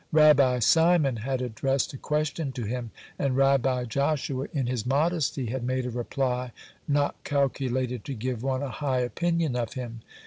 Rabbi Simon had addressed a question to him, and Rabbi Joshua in his modesty had made a reply not calculated to give one a high opinion of him.